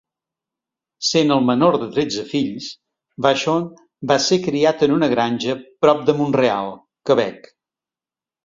Sent el menor de tretze fills, Vachon va ser criat en una granja prop de Mont-real, Quebec.